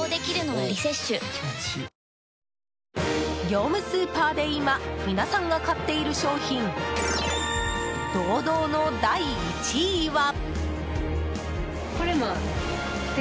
業務スーパーで今、皆さんが買っている商品堂々の第１位は。